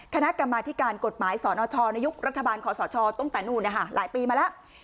คณะกรรมาธิการกฎหมายสนชในยุครัฐบาลขอสชตั้งแต่นู่นหลายปีมาแล้ว